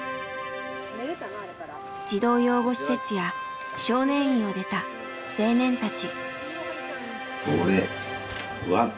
児童養護施設や少年院を出た青年たち。